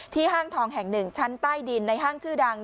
ห้างทองแห่งหนึ่งชั้นใต้ดินในห้างชื่อดัง